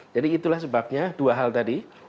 jadi itulah sebabnya dua hal tadi